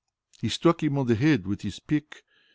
He struck him on the head with his pick.